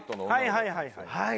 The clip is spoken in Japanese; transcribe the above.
はいはいはいはい。